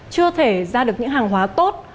chưa thể ra được những hàng hóa tốt